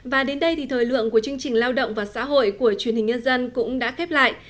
và đến đây thì thời lượng của chương trình lao động và xã hội của truyền hình nhân dân cũng đã khép lại